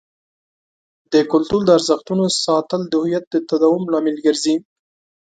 د کلتور د ارزښتونو ساتل د هویت د تداوم لامل ګرځي.